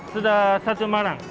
sudah satu malam